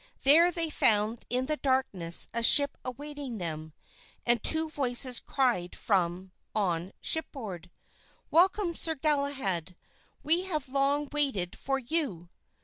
There they found in the darkness a ship awaiting them, and two voices cried from on shipboard, "Welcome, Sir Galahad; we have long waited for you."